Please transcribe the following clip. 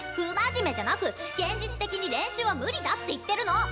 不真面目じゃなく現実的に練習は無理だって言ってるの！